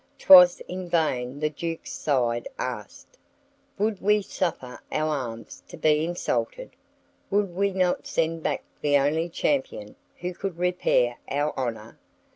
'Twas in vain the Duke's side asked, "Would we suffer our arms to be insulted? Would we not send back the only champion who could repair our honor?"